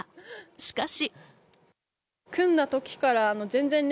しかし。